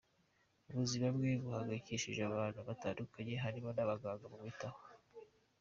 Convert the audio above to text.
Ubuzima bwe buhangayikishije abantu batandukanye harimo n’abaganga bamwitaho.